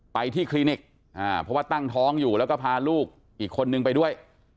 ไปที่คลินิกเพราะว่าตั้งท้องอยู่แล้วก็พาลูกอีกคนนึงไปด้วย